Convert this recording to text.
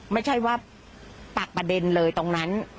ไม่ใช่ว่าปากประเด็นเลยตรงนั้น